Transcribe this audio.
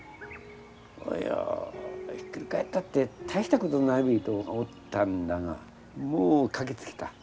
いやひっくり返ったって大したことないべと思ったんだがもう駆けつけた。